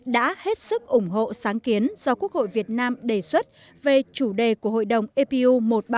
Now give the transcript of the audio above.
đã hết sức ủng hộ sáng kiến do quốc hội việt nam đề xuất về chủ đề của hội đồng ipu một trăm ba mươi ba